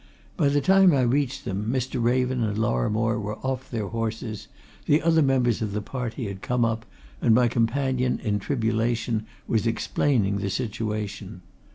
By the time I reached them, Mr. Raven and Lorrimore were off their horses, the other members of the party had come up, and my companion in tribulation was explaining the situation.